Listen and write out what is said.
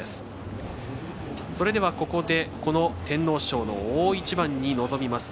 それでは天皇賞の大一番に臨みます